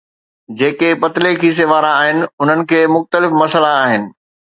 جيڪي پتلي کيسي وارا آهن انهن کي مختلف مسئلا آهن.